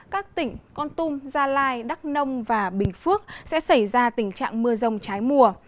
các tỉnh con tum gia lai đắk nông và bình phước sẽ xảy ra tình trạng mưa rông trái mùa